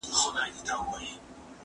زه اجازه لرم چي تمرين وکړم،